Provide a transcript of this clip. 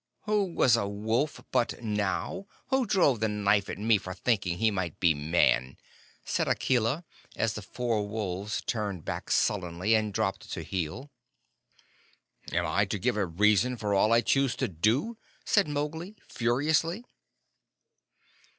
"Who was a wolf but now? Who drove the knife at me for thinking he might be Man?" said Akela, as the four wolves turned back sullenly and dropped to heel. "Am I to give a reason for all I choose to do?" said Mowgli, furiously.